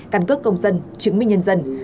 căn cước công dân chứng minh nhân dân